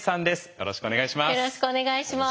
よろしくお願いします。